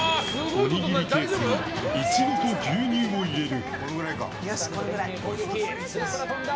おにぎりケースにイチゴと牛乳を入れる。